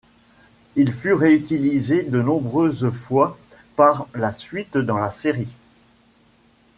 Il fut réutilisé de nombreuses fois par la suite dans la série.